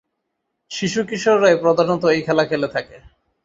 শিশু-কিশোররাই প্রধানত এই খেলা খেলে থাকে।